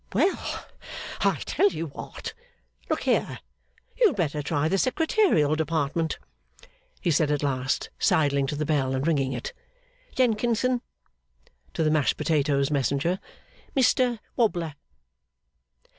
'Well, I tell you what. Look here. You had better try the Secretarial Department,' he said at last, sidling to the bell and ringing it. 'Jenkinson,' to the mashed potatoes messenger, 'Mr Wobbler!